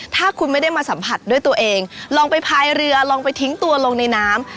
ถ้าคุณไม่ได้มาสัมผัสด้วยตัวเองลองไปพายเรือลองไปทิ้งตัวลงในน้ำ